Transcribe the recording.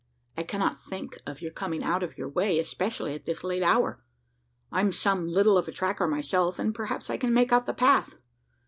"I cannot think of your coming out of your way especially at this late hour. I'm some little of a tracker myself; and, perhaps, I can make out the path."